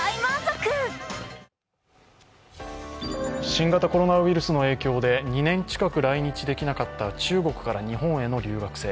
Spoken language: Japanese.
新型コロナウイルスの影響で２年近く来日できなかった中国から日本への留学生。